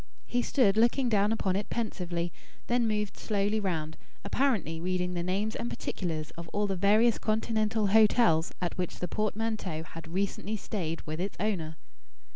He stood looking down upon it pensively, then moved slowly round, apparently reading the names and particulars of all the various continental hotels at which the portmanteau had recently stayed with its owner.